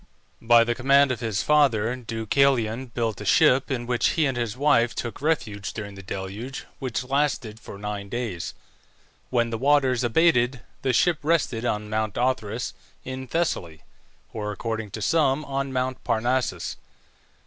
By the command of his father, Deucalion built a ship, in which he and his wife took refuge during the deluge, which lasted for nine days. When the waters abated the ship rested on Mount Othrys in Thessaly, or according to some on Mount Parnassus.